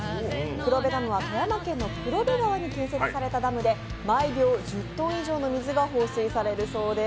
黒部ダムは富山県の黒部川に建設されたダムで毎秒１０ｔ以上の水が放水されるそうです。